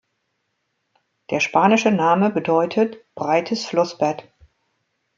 Der spanische Name bedeutet "breites Flussbett".